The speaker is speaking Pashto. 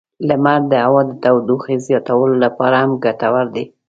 لمر د هوا د تودوخې زیاتولو لپاره هم ګټور دی.